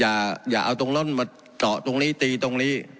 อย่าเอาตรงนั้นมาเจาะตรงนี้ตีตรงนี้